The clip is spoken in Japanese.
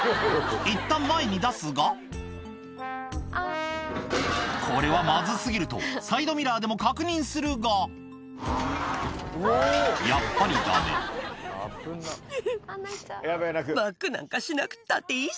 いったん前に出すがこれはまず過ぎるとサイドミラーでも確認するがやっぱりダメウッ。